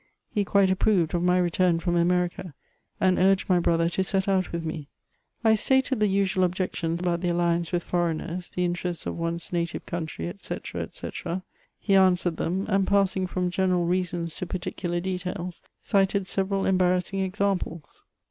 He quite approved of my return from Ame rica, and urged my brother to set out with me. I stated the usual objections about the alliance with foreigners^ the interests of one's native country, &c., &c. : he dhswered CHATEAUBRIAND. 327 them ; and passing from general reaspns to particular details, cited several embarrassing examples.